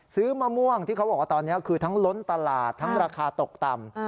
มะม่วงที่เขาบอกว่าตอนนี้คือทั้งล้นตลาดทั้งราคาตกต่ำ